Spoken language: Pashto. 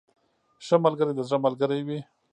• ښه ملګری د زړه ملګری وي.